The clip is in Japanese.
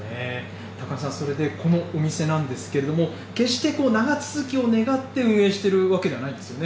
ＴＡＫＡＮＥさん、それでこのお店なんですけれども、決して長続きを願って運営しているわけではないんですよね。